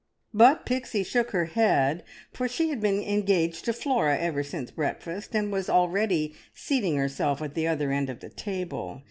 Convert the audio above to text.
But Pixie shook her head, for she had been engaged to Flora ever since breakfast, and was already seating herself at the other end of the table.